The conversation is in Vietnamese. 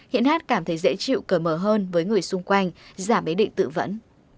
khiến hát cảm thấy dễ chịu cờ mở hơn với người xung quanh giảm ý định tự vẫn